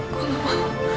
gue gak mau